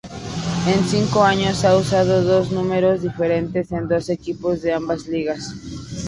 En cinco años ha usado dos números diferentes en dos equipos de ambas ligas.